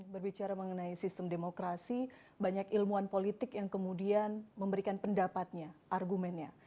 berbicara mengenai sistem demokrasi banyak ilmuwan politik yang kemudian memberikan pendapatnya argumennya